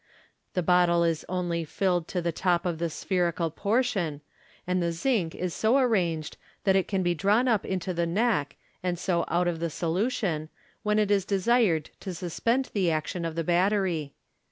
The bottle is only filled to the top of the spherical portion, and the zinc is so arranged that it can be drawn up into the neck, and so out of the solution, when it is desired to sus pend the action of the battery.